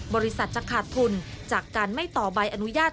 บริษัทจะขาดทุนจากการไม่ต่อใบอนุญาต